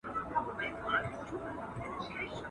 o خپل کور اوماچک نه سي کولاى، د بل کره ماچې کوي.